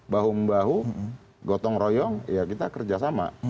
bahu mbahu gotong royong ya kita kerja sama